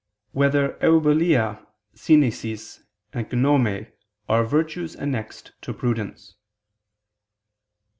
6] Whether "Eubulia," "Synesis," and "Gnome" Are Virtues Annexed to Prudence?